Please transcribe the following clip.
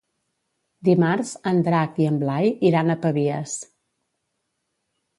Dimarts en Drac i en Blai iran a Pavies.